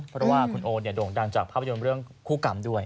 เพราะว่าคุณโอโด่งดังจากภาพยนตร์เรื่องคู่กรรมด้วย